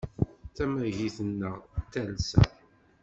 Tamagit-nneɣ d talsa.